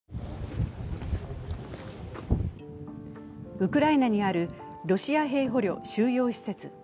ウクライナにあるロシア兵捕虜収容施設。